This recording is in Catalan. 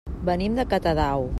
Venim de Catadau.